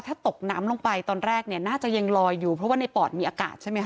ถ้าตกน้ำลงไปตอนแรกเนี่ยน่าจะยังลอยอยู่เพราะว่าในปอดมีอากาศใช่ไหมค